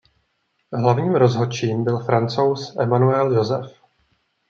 Hlavním rozhodčím byl Francouz Emmanuel Joseph.